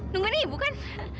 nungguin ibu kan